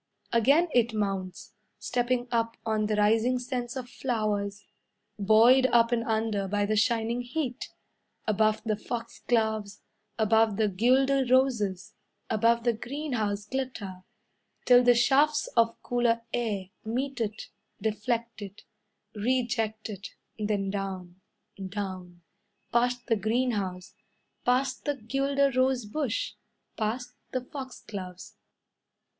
Again it mounts, Stepping up on the rising scents of flowers, Buoyed up and under by the shining heat. Above the foxgloves, Above the guelder roses, Above the greenhouse glitter, Till the shafts of cooler air Meet it, Deflect it, Reject it, Then down, Down, Past the greenhouse, Past the guelder rose bush, Past the foxgloves.